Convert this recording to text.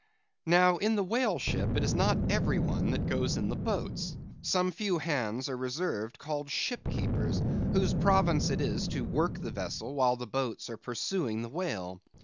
Now, in the whale ship, it is not every one that goes in the boats. Some few hands are reserved called ship keepers, whose province it is to work the vessel while the boats are pursuing the whale.